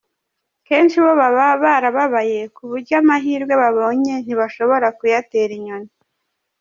Kenshi bo baba barababaye ku buryo amahirwe babonye ntibashobora kuyatera inyoni.